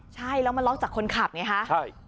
ใช่แล้วมันนล็อกจากคนขับเนี่ย